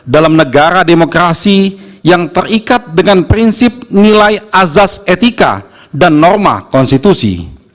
dalam negara demokrasi yang terikat dengan prinsip nilai azas etika dan norma konstitusi